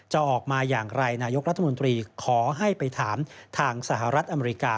จะออกมาอย่างไรนายกรัฐมนตรีขอให้ไปถามทางสหรัฐอเมริกา